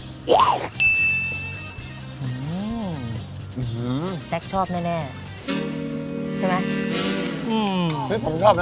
อื้อหือแซ็กชอบแน่แน่ใช่ไหมอื้อคือผมชอบน้ำจิ้มบวยน่ะ